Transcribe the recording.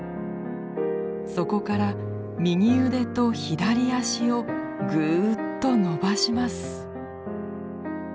そこから右腕と左脚をぐっと伸ばします。